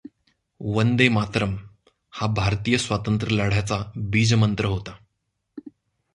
वंदे मातरम् हा भारतीय स्वातंत्र्य लढ्याचा बीजमंत्र होता.